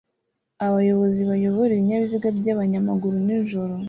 Abayobozi bayobora ibinyabiziga byabanyamaguru nijoro